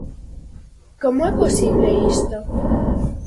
Como é posible isto?